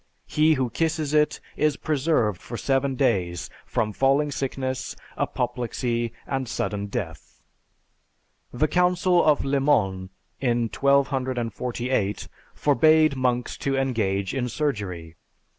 He who kisses it is preserved for seven days from falling sickness, apoplexy, and sudden death." The Council of Le Mons, in 1248, forbade monks to engage in surgery.